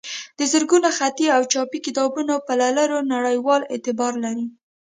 د زرګونو خطي او چاپي کتابونو په لرلو نړیوال اعتبار لري.